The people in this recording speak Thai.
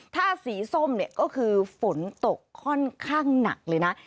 ถ้าสีส้มเนี่ยก็คือฝนตกค่อนข้างหนักเลยนะ